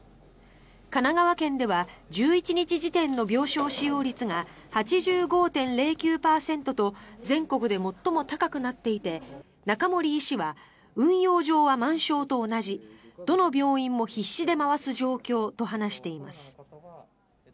神奈川県では１１日時点の病床使用率が８５．０９％と全国で最も高くなっていて中森医師は運用上は満床と同じどの病院も必死で回す状況と話しています。